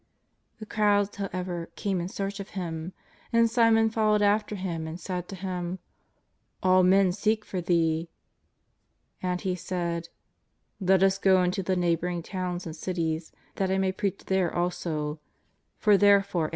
The crowds, however, came in search of Him. And Simon followed after Him and said to Him : "All men seek for Thee." And He said :" Let us go into the neighbouring towns and cities that I may preach there also, for there fore am I sent."